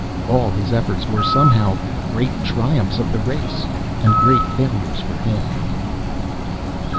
All his efforts were, somehow great triumphs of the race, and great failures for him!